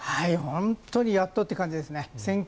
本当にやっとという感じですね。